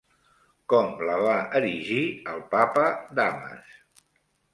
Com la va erigir el papa Damas?